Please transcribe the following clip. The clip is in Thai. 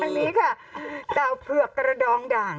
นี้ค่ะเต่าเผือกกระดองด่าง